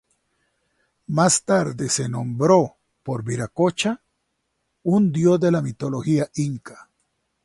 Más tarde se nombró por Viracocha, un dios de la mitología inca.